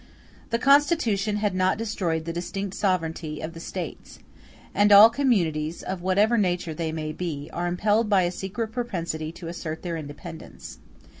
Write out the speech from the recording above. ]] The Constitution had not destroyed the distinct sovereignty of the States; and all communities, of whatever nature they may be, are impelled by a secret propensity to assert their independence.